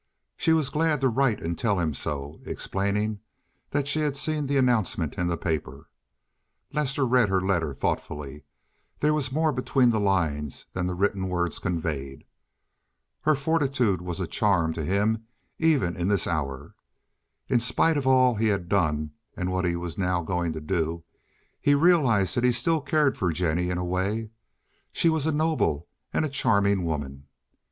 She was glad to write and tell him so, explaining that she had seen the announcement in the papers. Lester read her letter thoughtfully; there was more between the lines than the written words conveyed. Her fortitude was a charm to him even in this hour. In spite of all he had done and what he was now going to do, he realized that he still cared for Jennie in a way. She was a noble and a charming woman.